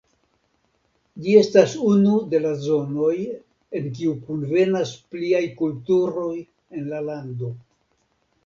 Ĝi estas unu de la zonoj en kiu kunvenas pliaj kulturoj en la lando.